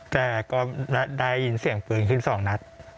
แต่ก็ได้ยินเสียงปืนขึ้น๒นัด